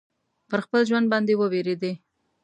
پر خپل ژوند باندي وبېرېدی.